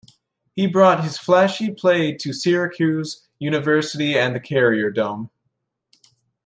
He brought his flashy play to Syracuse University and the Carrier Dome.